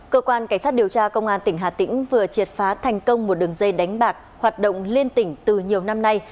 cơ quan cảnh sát điều tra công an tỉnh hà tĩnh vừa triệt phá thành công một đường dây đánh bạc hoạt động liên tỉnh từ nhiều năm nay